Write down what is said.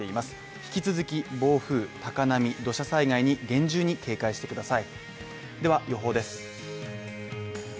引き続き、暴風、高波、土砂災害に厳重に警戒してください。